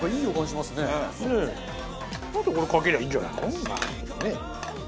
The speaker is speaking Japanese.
あとこれかけりゃいいんじゃないの？